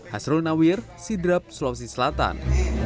hasrul nawir sidrap sulawesi selatan